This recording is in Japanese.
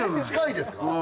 近いですか？